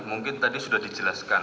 mungkin tadi sudah dijelaskan